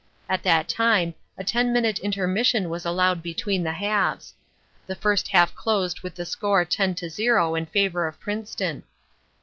At that time a ten minute intermission was allowed between the halves. The first half closed with the score 10 0 in favor of Princeton.